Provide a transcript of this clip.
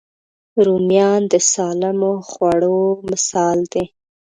رومیان د سالم خوړو مثال دی